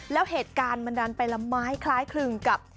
แล้วเหตุการณ์มันดันไปละไม้คล้ายคลึงกับ